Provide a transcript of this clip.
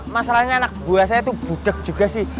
masalahnya anak buah saya itu budeg juga sih